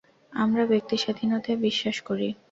আমরা ব্যক্তিস্বাধীনতায় বিশ্বাস করি।